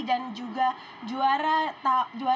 dan juga juara gp new zealand high tahun dua ribu lima belas